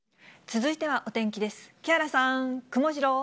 続いてはお天気です。